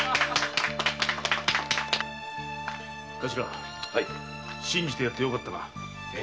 カシラ信じてやってよかったな。